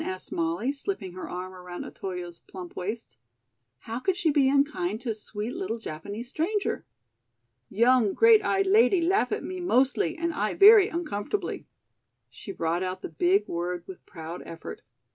asked Molly, slipping her arm around Otoyo's plump waist. "How could she be unkind to sweet little Japanese stranger?" "Young great eyed lady laugh at me mostly and I very uncomfortably." She brought out the big word with proud effort.